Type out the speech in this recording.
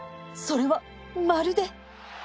それはまるで